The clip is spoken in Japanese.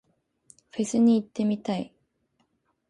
フェスに行ってみたい。